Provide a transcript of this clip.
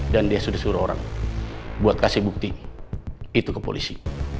dan dia sudah suruh orang buat kasih bukti itu ke polisi